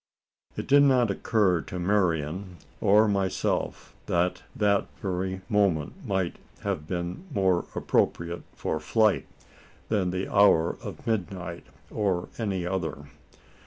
It did not occur to Marian or myself, that that very moment might have been more appropriate for flight, than the hour of midnight or any other.